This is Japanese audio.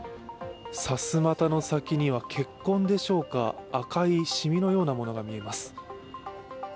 さすまたの先には血痕でしょうか赤いしみのようなものが見えます。